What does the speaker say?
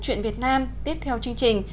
chuyện việt nam tiếp theo chương trình